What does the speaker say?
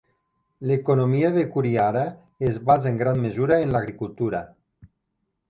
L'economia de Kurihara es basa en gran mesura en l'agricultura.